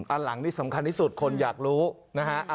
อันหลังนี่สำคัญที่สุดคนอยากรู้นะฮะ